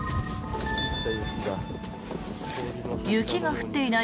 雪が降っていない